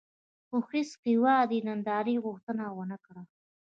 خو هېڅ هېواد یې د نندارې غوښتنه ونه کړه.